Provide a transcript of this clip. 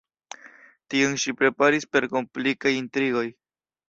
Tion ŝi preparis per komplikaj intrigoj.